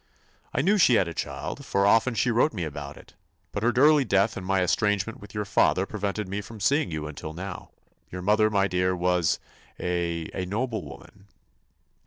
"I knew she had a child, for often she wrote me about it; but her early death and my estrangement with your father prevented me from seeing you, until now. Your mother, my dear, was a—a noble woman."